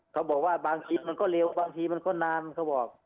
เขาบอกว่าบางทีมันก็เร็วบางทีมันก็นานเขาบอก